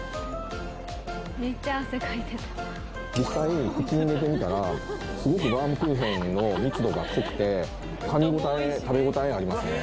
実際口に入れてみたらすごくバウムクーヘンの密度が濃くて噛み応え食べ応えありますね